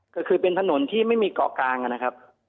ก็คือเป็นถนนที่ไม่มีเกาะกลางนะครับ